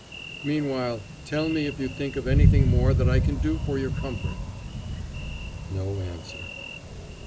Meanwhile, tell me if you think of anything more that I can do for your comfort." No answer.